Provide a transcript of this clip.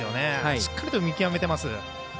しっかりと見極めてます。